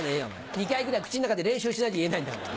２回ぐらい口の中で練習しないと言えないんだから。